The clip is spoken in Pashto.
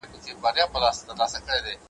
د افغانستان د استقلال د ورځي ,